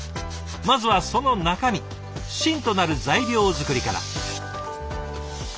まずはその中身芯となる材料作りから。